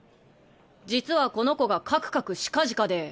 実はこの子がかくかくしかじかで。